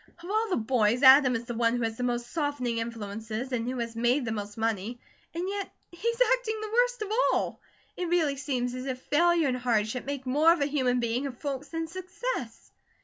Of all the boys, Adam is the one who has had the most softening influences, and who has made the most money, and yet he's acting the worst of all. It really seems as if failure and hardship make more of a human being of folks than success."